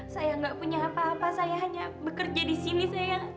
saya nggak punya apa apa saya hanya bekerja di sini saya